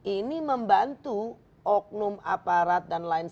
ini membantu oknum aparat dan lain sebagainya